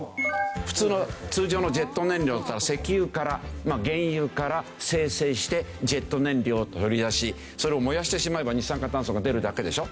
普通の通常のジェット燃料だったら石油からまあ原油から精製してジェット燃料を取り出しそれを燃やしてしまえば二酸化炭素が出るだけでしょ。